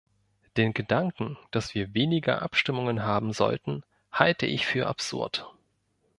Den Gedanken, dass wir weniger Abstimmungen haben sollten, halte ich für absurd.